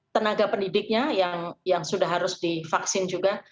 tenaga pendidiknya yang sudah harus divaksin juga